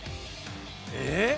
えっ？